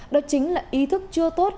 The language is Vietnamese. đó chính là ý thức chưa tốt